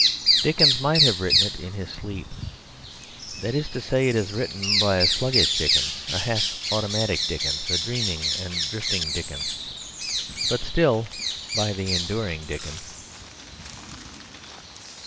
Dickens might have written it in his sleep. That is to say, it is written by a sluggish Dickens, a half automatic Dickens, a dreaming and drifting Dickens; but still by the enduring Dickens.